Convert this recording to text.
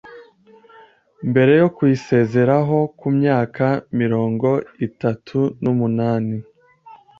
mbere yo kuyisezeraho ku myaka mirongo itatu numunani